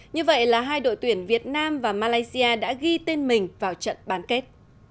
như vậy là hai đội tuyển việt nam và malaysia đã ghi tên mình vào trận bán kết